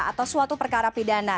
atau suatu perkara pidana